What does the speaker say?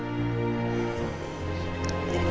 oh dia sudah disimpan